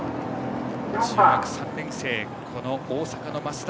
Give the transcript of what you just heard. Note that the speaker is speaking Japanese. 中学３年生、大阪の増田。